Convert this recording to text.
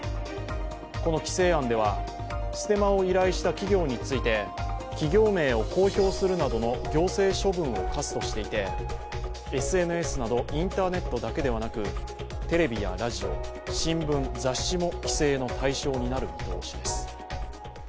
この規制案ではステマを依頼した企業について企業名を公表するなどの行政処分を科すとしていてＳＮＳなどインターネットだけではなくテレビやラジオ、新聞、雑誌も規制の対象になる見通しです。